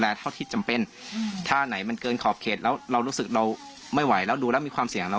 อันนั้นน่าจะเหมาะสมกว่า